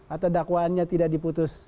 atau dakwannya tidak diputus